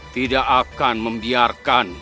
tidak akan membiarkan